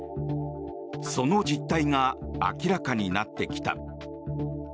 その実態が明らかになってきた。